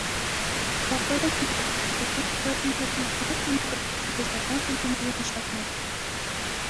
Զբաղվել է գիտատեխնիկական առաջընթացի բարդ համակարգի տնտեսական խնդիրների մշակմամբ։